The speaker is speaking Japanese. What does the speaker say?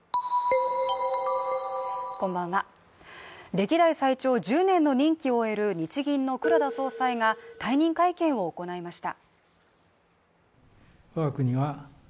歴代最長１０年の任期を終える日銀の黒田総裁が退任会見を行いました。